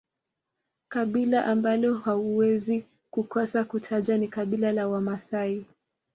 kabila ambalo hauwezi kukosa kutaja ni kabila la Wamasai